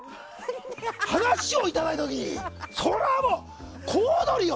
話をいただいた時にそりゃもう、小躍りよ。